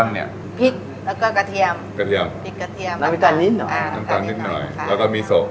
อันนี้ค่ะ